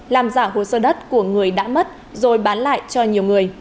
làm giả hồ sơ đất của người đã mất rồi bán lại cho nhiều người